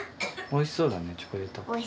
おいしそうだねチョコレートって。